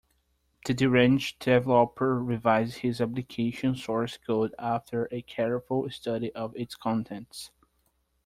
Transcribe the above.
The deranged developer revised his application source code after a careful study of its contents.